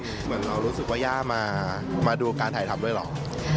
เหมือนเรารู้สึกว่าย่ามาดูการถ่ายทำด้วยเหรอ